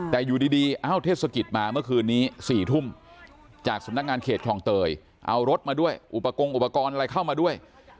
แต่อยู่ดีเอ้าเทศกิจมาเมื่อคืนนี้๔ทุ่มจากสำนักงานเขตคลองเตยเอารถมาด้วยอุปกรณ์อุปกรณ์อะไรเข้ามาด้วย